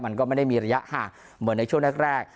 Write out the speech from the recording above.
มันก็ไม่ได้มีระยะห่างเหมือนในช่วงแรก